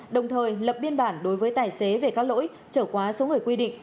đồng thời lập biên bản đối với tài xế về các lỗi trở quá số người quy định